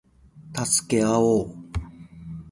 助け合おう